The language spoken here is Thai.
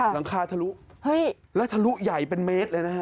หลังคาทะลุเฮ้ยแล้วทะลุใหญ่เป็นเมตรเลยนะฮะ